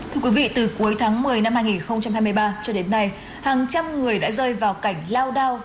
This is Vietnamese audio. thưa quý vị từ cuối tháng một mươi năm hai nghìn hai mươi ba cho đến nay hàng trăm người đã rơi vào cảnh lao đao